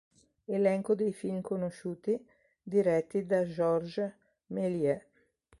Elenco dei film conosciuti, diretti da Georges Méliès.